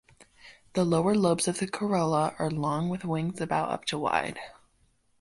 The lower lobes of the corolla are long with wings about up to wide.